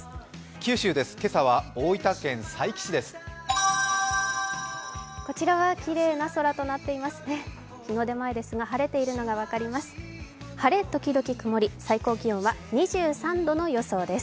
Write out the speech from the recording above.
九州です、今朝は大分県佐伯市です。